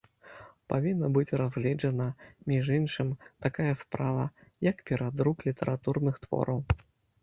Павінна быць разгледжана, між іншым, такая справа, як перадрук літаратурных твораў.